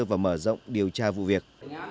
và mở rộng điều tra vụ việc